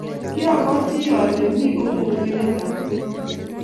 kiabatii alen me kongung kwenet ab kokwee.